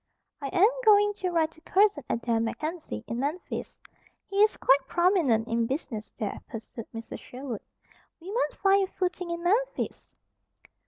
"I am going to write to Cousin Adair MacKenzie, in Memphis. He is quite prominent in business there," pursued Mrs. Sherwood. "We might find a footing in Memphis."